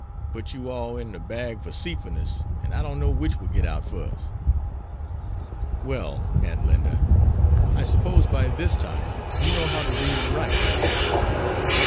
Put you all in de bag for 'ceitfulness, an' I don't know which would git out fust." "Well, Aunt Linda, I suppose by this time you know how to read and write?"